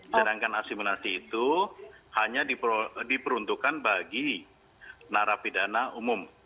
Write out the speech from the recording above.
sedangkan asimilasi itu hanya diperuntukkan bagi narapidana umum